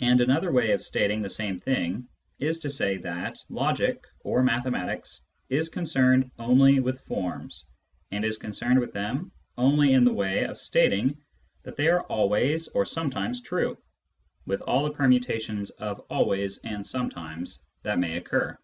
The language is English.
And another way of stating the same thing is to say that logic (or mathematics) is concerned only with forms, and is concerned with them only in the way of stating that they are always or 200 Introduction to Mathematical Philosophy sometimes true — with all the permutations of " always " and " sometimes " that may occur.